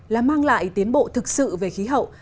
là mang lại tiến bộ thực sự về khí hậu